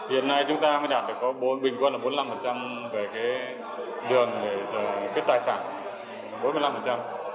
hiện nay chúng ta mới đạt được bình quân là bốn mươi năm về cái đường để kết tài sản